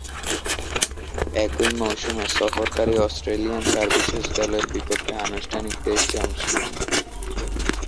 একই মৌসুমে সফরকারী Australian services দলের বিপক্ষে অনানুষ্ঠানিক টেস্টে অংশ নেন।